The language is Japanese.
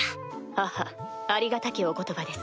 ははっありがたきお言葉です。